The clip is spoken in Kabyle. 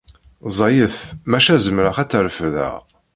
Ẓẓayet maca zemreɣ ad tt-refdeɣ.